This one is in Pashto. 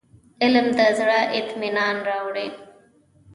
علم د زړه اطمينان راوړي.